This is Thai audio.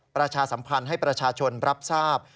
ประชาสัมพันธ์ให้ประชาชนรับทราบ